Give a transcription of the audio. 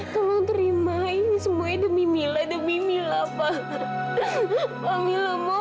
tolong terima ini semuanya demi mila demi mila pak panggilanmu